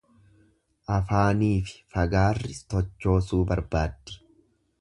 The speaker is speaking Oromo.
Afaanifi fagaarri tochoosuu barbaaddi.